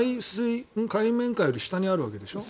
海面より下にあるわけでしょ。